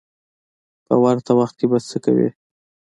په ورته حال کې به څه کوې.